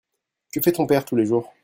Que fait ton père tous les jours.